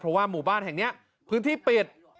เพราะว่าหมู่บ้านแห่งนี้พื้นที่ปิด